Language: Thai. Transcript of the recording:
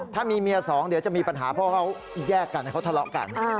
ถ้ามีเมียสองเดี๋ยวจะมีปัญหาเพราะเขาแยกกันให้เขาทะเลาะกัน